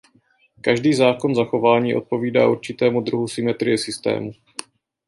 Každý zákon zachování odpovídá určitému druhu symetrie systému.